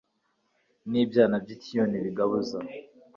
n'ibyana by'icyiyone bigabuza